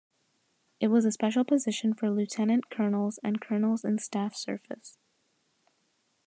It was a special position for lieutenant-colonels and colonels in staff service.